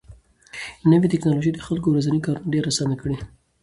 نوې ټکنالوژي د خلکو ورځني کارونه ډېر اسانه کړي